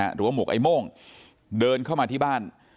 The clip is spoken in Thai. หมวกไอ้โม่งเดินเข้ามาที่บ้าน